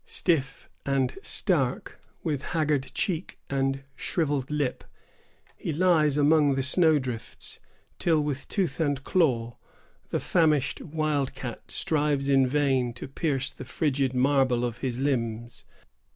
Stiff and stark, with haggard cheek and shrivelled lip, he lies among the snow drifts; till, with tooth and claw, the famished wildcat strives in vain to pierce the frigid marble of his limbs.